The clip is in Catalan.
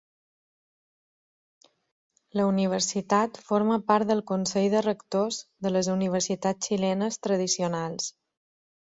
La universitat forma part del Consell de rectors de les universitats xilenes tradicionals.